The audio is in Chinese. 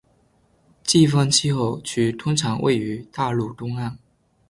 季风气候区通常位于大陆东岸